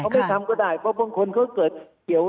เพราะบางคนเค้าเกิดเกี่ยว